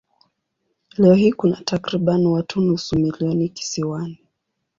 Leo hii kuna takriban watu nusu milioni kisiwani.